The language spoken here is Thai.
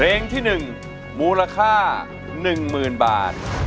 เพลงที่หนึ่งมูลค่าหนึ่งหมื่นบาท